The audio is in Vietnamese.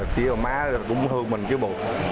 chứ má cũng thương mình chứ buồn